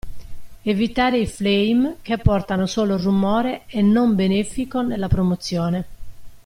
Evitare i flame che portano solo rumore e non benefico nella promozione.